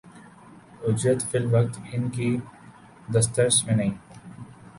اجرت فی الوقت ان کی دسترس میں نہیں